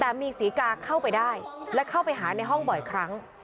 แต่มีศรีกาเข้าไปได้และเข้าไปหาในห้องบ่อยครั้ง